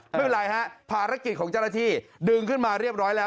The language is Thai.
ไม่เป็นไรฮะภารกิจของเจ้าหน้าที่ดึงขึ้นมาเรียบร้อยแล้ว